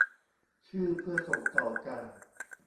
ชื่อเพื่อส่งต่อกัน